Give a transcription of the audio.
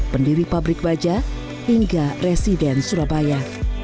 pendiri pabrik baja hingga residen surabaya